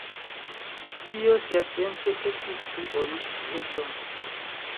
Tio siatempe estis pli ol Houston.